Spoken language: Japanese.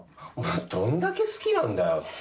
どんだけ好きなんだよって。